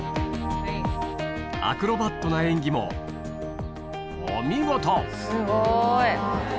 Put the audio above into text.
アクロバットな演技もお見事！